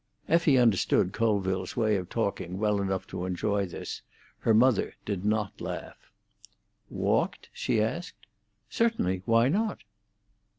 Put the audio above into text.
Effie understood Colville's way of talking well enough to enjoy this; her mother did not laugh. "Walked?" she asked. "Certainly. Why not?"